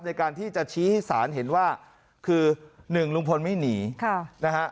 ในการที่จะชี้ให้สารเห็นว่าคือ๑ลุงพลไม่หนีนะฮะ